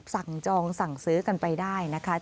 จองสั่งซื้อกันไปได้นะคะ